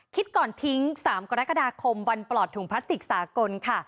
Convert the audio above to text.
คิดก่อนทิ้ง๓กรกฎาคมวันปลอดถุงพลาสติกสากลค่ะ